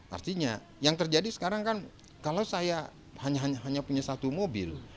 artinya yang terjadi sekarang kan kalau saya hanya punya satu mobil